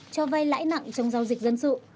cho vay lãi nặng trong giao dịch dân sự